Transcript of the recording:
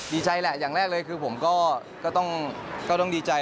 ดีใจแหละอย่างแรกเลยคือผมก็ต้องดีใจ